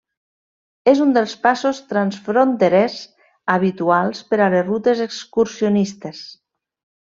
És un dels passos transfronterers habituals per a les rutes excursionistes.